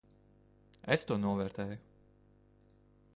Es to novērtēju.